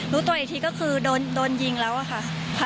รู้ตัวอีกทีก็คือโดนยิงแล้วอะค่ะ